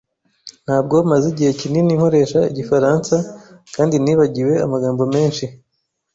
Ntabwo maze igihe kinini nkoresha igifaransa kandi nibagiwe amagambo menshi.